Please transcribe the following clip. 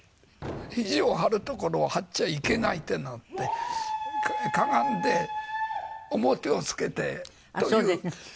肘を張るところを張っちゃいけないってなってかがんで面をつけてという非常になんていいますかね。